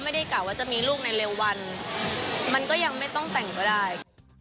กล่าวว่าจะมีลูกในเร็ววันมันก็ยังไม่ต้องแต่งก็ได้